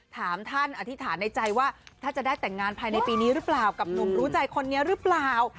ถามท่านอธิษฐานในใจว่าถ้าจะได้แต่งงานภายในปีนี้หรือเปล่ากับหนุ่มรู้ใจคนนี้หรือเปล่า